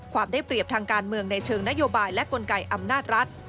ได้เปรียบทางการเมืองในเชิงนโยบายและกลไกอำนาจรัฐ